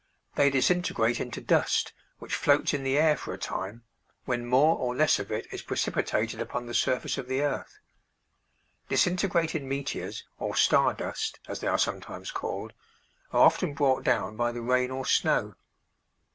They disintegrate into dust which floats in the air for a time, when more or less of it is precipitated upon the surface of the earth. Disintegrated meteors, or star dust, as they are sometimes called, are often brought down by the rain or snow.